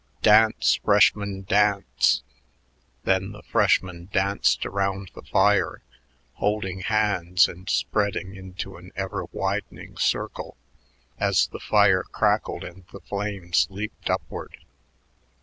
"Dance, freshmen, dance!" Then the freshmen danced around the fire, holding hands and spreading into an ever widening circle as the fire crackled and the flames leaped upward.